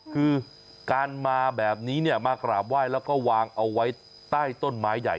คือการมาแบบนี้เนี่ยมากราบไหว้แล้วก็วางเอาไว้ใต้ต้นไม้ใหญ่